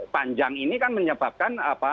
panjang ini kan menyebabkan